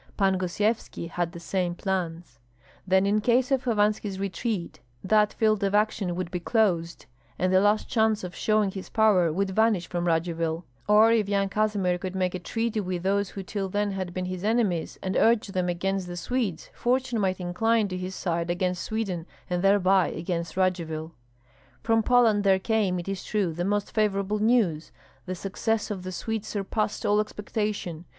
Pan Gosyevski had the same plans. Then in case of Hovanski's retreat that field of action would be closed, and the last chance of showing his power would vanish from Radzivill; or if Yan Kazimir could make a treaty with those who till then had been his enemies, and urge them against the Swedes, fortune might incline to his side against Sweden, and thereby against Radzivill. From Poland there came, it is true, the most favorable news. The success of the Swedes surpassed all expectation.